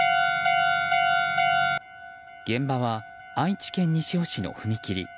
現場は愛知県西尾市の踏切。